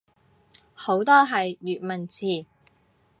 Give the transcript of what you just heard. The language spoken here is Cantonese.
好多係粵文詞